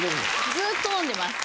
ずっと飲んでます。